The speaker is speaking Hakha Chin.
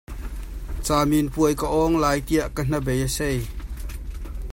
Caminpuai ka awng lai tiah ka hnabei a sei.